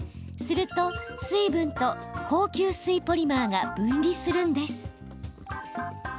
すると、水分と高吸水ポリマーが分離するんです。